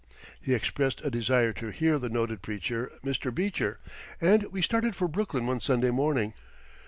He expressed a desire to hear the noted preacher, Mr. Beecher; and we started for Brooklyn one Sunday morning.